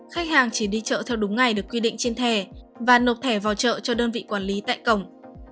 khách hàng chỉ đi chợ theo đúng ngày được quy định trên thẻ và nộp thẻ vào chợ cho đơn vị quản lý tại cổng